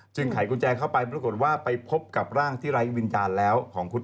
ไขกุญแจเข้าไปปรากฏว่าไปพบกับร่างที่ไร้วิญญาณแล้วของคุณ